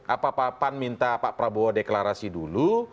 apa pak pan minta pak prabowo deklarasi dulu